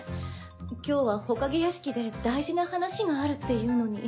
今日は火影屋敷で大事な話があるっていうのに。